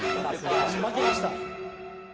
負けました